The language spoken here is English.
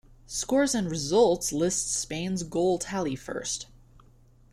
"Scores and results list Spain's goal tally first"